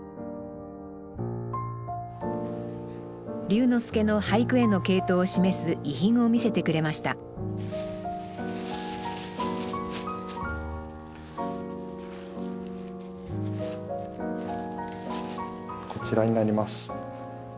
龍之介の俳句への傾倒を示す遺品を見せてくれましたこちらになります。